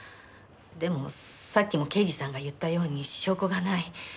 でもさっきも刑事さんが言ったように証拠がない。